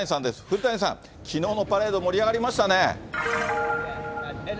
古谷さん、きのうのパレード盛り上がりましたね。